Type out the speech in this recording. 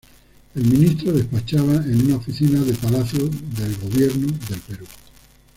El Ministro despachaba en una oficina de Palacio de Gobierno del Perú.